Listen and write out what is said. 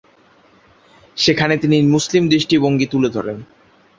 সেখানে তিনি মুসলিম দৃষ্টিভঙ্গি তুলে ধরেন।